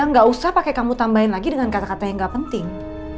gak usah pakai kamu tambahin lagi dengan kata kata yang gak penting